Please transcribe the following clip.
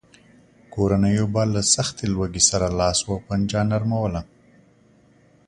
کورنیو به له سختې لوږې سره لاس و پنجه نرموله.